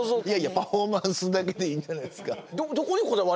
いやいやパフォーマンスだけでいいんじゃないですか。